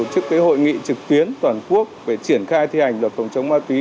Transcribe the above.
trước hội nghị trực tuyến toàn quốc về triển khai thi hành luật phòng chống ma túy